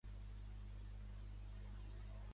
Es coneix col·loquialment com a BuSab.